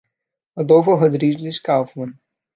Adolfo Rodrigues Kauffmann